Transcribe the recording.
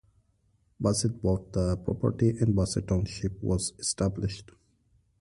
Bassett bought the property and Bassett Township was established.